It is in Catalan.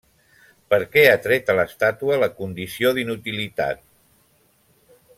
-Perquè ha tret a l'estàtua la condició d'inutilitat…